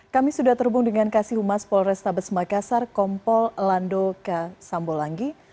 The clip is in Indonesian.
kami sudah terhubung dengan kasih humas polrestabes makassar kompol lando k sambolangi